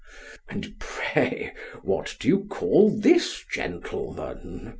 ——And pray what do you call this gentleman?